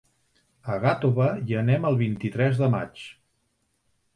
A Gàtova hi anem el vint-i-tres de maig.